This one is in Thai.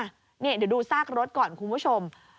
เดี๋ยวดูซากรถก่อนคุณผู้ชม